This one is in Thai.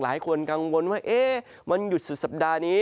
หลายคนกังวลว่าวันหยุดสุดสัปดาห์นี้